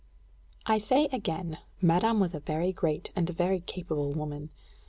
I say again, madame was a very great and a very capable woman.